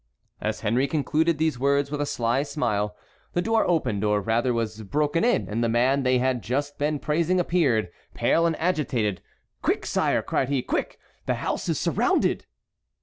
As Henry concluded these words with a sly smile, the door opened or rather was broken in, and the man they had just been praising appeared, pale and agitated. "Quick, sire," cried he; "quick, the house is surrounded."